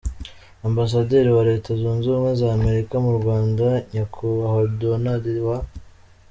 Ambasaderi wa Leta Zunze Ubumwe za Amerika mu Rwanda, nyakubahwa Donadi wa.